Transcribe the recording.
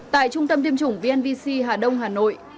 tại trung tâm tiêm chủng vnvc hà đông hà nội